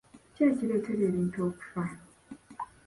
Ki ekireetera ebintu okufa